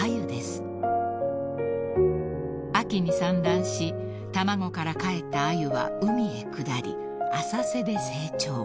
［秋に産卵し卵からかえったアユは海へ下り浅瀬で成長］